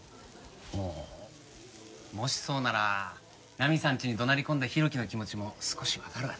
ああもしそうならナミさんちに怒鳴り込んだ浩喜の気持ちも少しわかるわな。